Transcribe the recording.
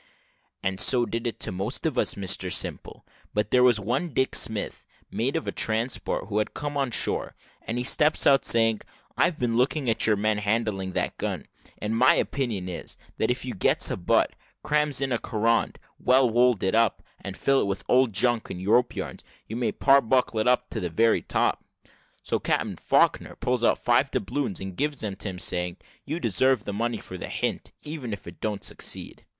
"And so it did to most of us, Mr Simple; but there was one Dick Smith, mate of a transport, who had come on shore, and he steps out, saying, `I've been looking at your men handling that gun, and my opinion is, that if you gets a butt, crams in a carronade, well woulded up, and fill it with old junk and rope yarns, you might parbuckle it up to the very top.' So Captain Faulkner pulls out five doubloons, and gives them to him, saying, `You deserve the money for the hint, even if it don't succeed.'